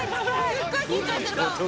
すごい緊張してる顔。